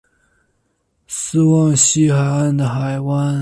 斯旺西海湾的海湾。